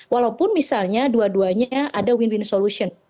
walaupun misalnya dua duanya ada win win solution